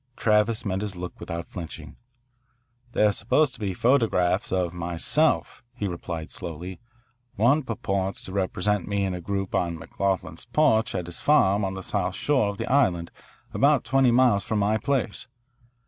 Travis met his look without flinching. "They are supposed to be photographs of myself," he replied slowly. "One purports to represent me in a group on McLoughlin's porch at his farm on the south shore of the island, about twenty miles from my place.